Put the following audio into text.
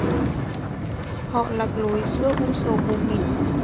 Họ lạc lối giữa u sầu mù mịt